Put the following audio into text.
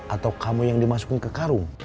atau kamu yang dimasukin ke karung